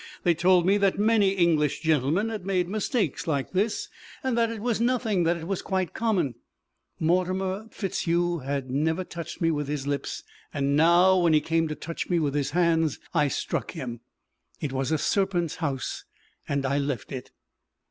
They told me that many English gentlemen had made mistakes like this, and that it was nothing that it was quite common. Mortimer FitzHugh had never touched me with his lips, and now, when he came to touch me with his hands, I struck him. It was a serpent's house, and I left it.